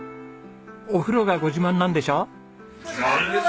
お風呂がご自慢なんでしょ？